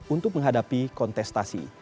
untuk menghadapi kontestasi